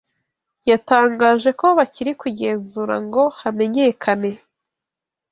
yatangaje ko bakiri kugenzura ngo hamenyekane